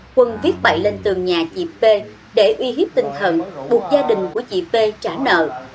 quân viết bày lên tường nhà chị p để uy hiếp tinh thần buộc gia đình của chị p trả nợ